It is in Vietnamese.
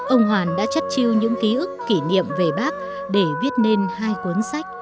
ông hoàn đã chất chiêu những ký ức kỷ niệm về bác để viết nên hai cuốn sách